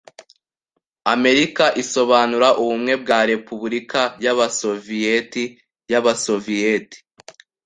Amerika isobanura "Ubumwe bwa Repubulika y'Abasoviyeti y'Abasoviyeti".